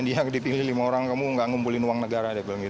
dia dipilih lima orang kamu nggak ngumpulin uang negara dia bilang gitu